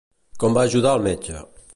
Com el va ajudar el metge?